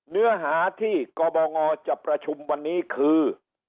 เนื้อหาที่กบงจะประชุมวันนี้คือ